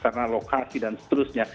karena lokasi dan seterusnya